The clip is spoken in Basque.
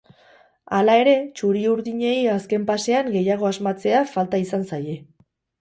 Hala ere, txuri-urdinei azken pasean gehiago asmatzea falta izan zaie.